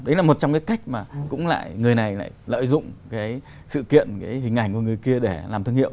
đấy là một trong cái cách mà cũng lại người này lại lợi dụng cái sự kiện cái hình ảnh của người kia để làm thương hiệu